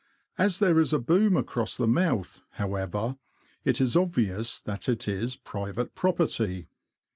As there is a boom across the mouth, how ever, it is obvious that it is private property.